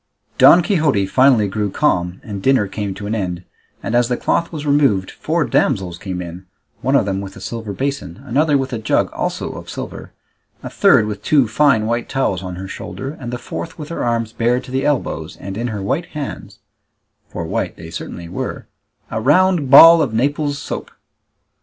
Don Quixote finally grew calm, and dinner came to an end, and as the cloth was removed four damsels came in, one of them with a silver basin, another with a jug also of silver, a third with two fine white towels on her shoulder, and the fourth with her arms bared to the elbows, and in her white hands (for white they certainly were) a round ball of Naples soap.